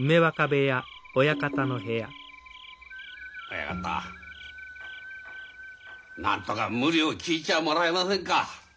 親方なんとか無理を聞いちゃもらえませんか。